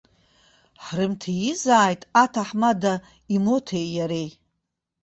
Ҳрымҭизааит аҭаҳмада имоҭеи иареи?!